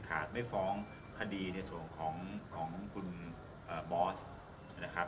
ขาดไม่ฟ้องคดีในส่วนของของคุณอ่าบอสนะครับ